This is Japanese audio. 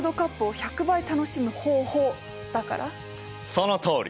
そのとおり！